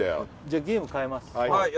じゃあゲーム変えますはい